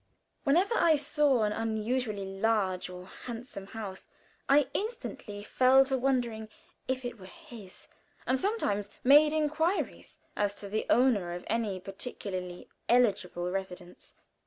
Whenever I saw an unusually large or handsome house, I instantly fell to wondering if it were his, and sometimes made inquiries as to the owner of any particularly eligible residence.